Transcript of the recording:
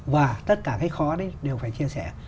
và tất cả cái khó đấy đều phải chia sẻ